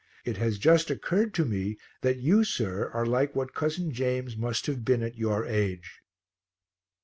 It has just occurred to me that you, sir, are like what cousin James must have been at your age."